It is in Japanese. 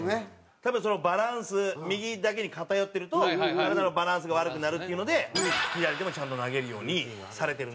多分バランス右だけに偏ってると体のバランスが悪くなるっていうので左でもちゃんと投げるようにされてるんだと思うんですよ。